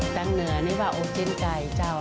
ดังเหนือนี่เปล่าจิ้นไก่เจ้า